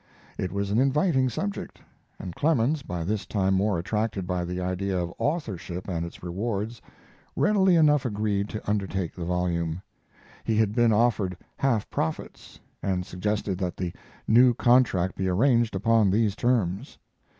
It was an inviting subject, and Clemens, by this time more attracted by the idea of authorship and its rewards, readily enough agreed to undertake the volume. He had been offered half profits, and suggested that the new contract be arranged upon these terms.